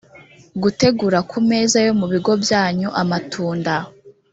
gutegura ku meza yo mu bigo byanyu amatunda